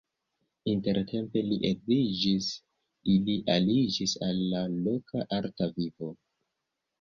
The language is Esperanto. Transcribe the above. Intertempe li edziĝis, ili aliĝis al la loka arta vivo.